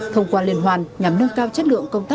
thông qua liên hoan nhằm nâng cao chất lượng công an nhân dân